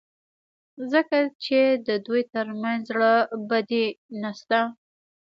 ځکه چې د دوی ترمنځ زړه بدي نشته.